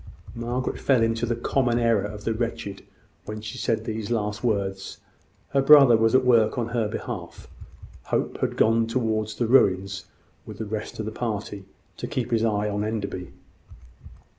Margaret fell into the common error of the wretched, when she said these last words. Her brother was at work on her behalf. Hope had gone towards the ruins with the rest of the party, to keep his eye on Enderby.